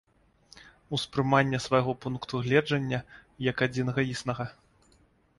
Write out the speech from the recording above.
Успрыманне свайго пункту гледжання як адзінага існага.